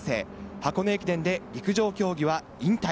箱根駅伝で陸上競技は引退。